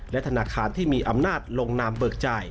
ธนาคารที่มีอำนาจลงนามเบิกจ่าย